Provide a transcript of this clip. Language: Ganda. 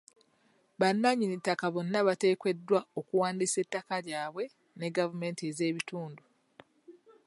Bannanyini ttaka bonna bateekeddwa okuwandiisa ettaka lyabwe ne gavumenti ez'ebitundu.